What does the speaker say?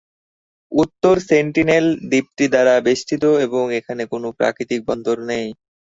উত্তর সেন্টিনেল দ্বীপটি দ্বারা বেষ্টিত এবং এখানে কোন প্রাকৃতিক বন্দর নেই।